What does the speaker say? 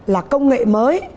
là công nghệ mới